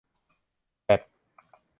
แบต